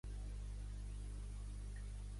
Pertany al moviment independentista la Pura?